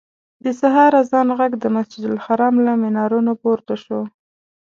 د سهار اذان غږ د مسجدالحرام له منارونو پورته شو.